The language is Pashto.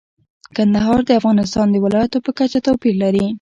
کندهار د افغانستان د ولایاتو په کچه توپیر لري.